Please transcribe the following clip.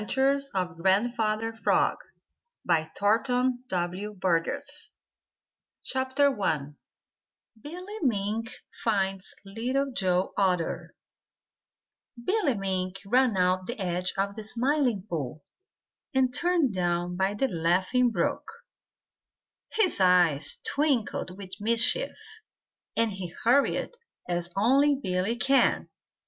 CROAKED GRANDFATHER FROG THE ADVENTURES OF GRANDFATHER FROG I BILLY MINK FINDS LITTLE JOE OTTER Billy Mink ran around the edge of the Smiling Pool and turned down by the Laughing Brook. His eyes twinkled with mischief, and he hurried as only Billy can.